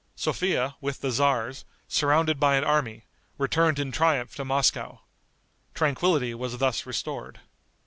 Sophia, with the tzars, surrounded by an army, returned in triumph to Moscow. Tranquillity was thus restored.